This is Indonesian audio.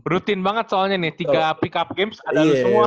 rutin banget soalnya nih tiga pick up games ada lo semua